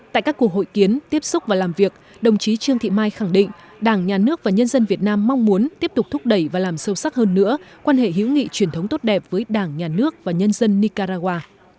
tại các cuộc hội kiến tiếp xúc và làm việc đồng chí trương thị mai khẳng định đảng nhà nước và nhân dân việt nam mong muốn tiếp tục thúc đẩy và làm sâu sắc hơn nữa quan hệ hữu nghị truyền thống tốt đẹp với đảng nhà nước và nhân dân nicaragua